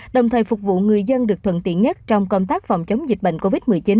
đồng thời phục vụ người dân được thuận tiện nhất trong công tác phòng chống dịch bệnh covid một mươi chín